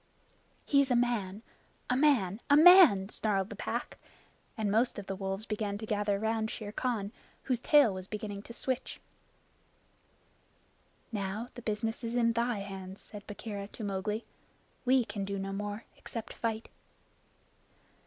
"He is a man a man a man!" snarled the Pack. And most of the wolves began to gather round Shere Khan, whose tail was beginning to switch. "Now the business is in thy hands," said Bagheera to Mowgli. "We can do no more except fight."